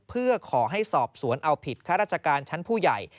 เพื่อขอให้สอบสวนเอาผิดข้าราชการชั้นผู้ใหญ่